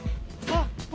あっ！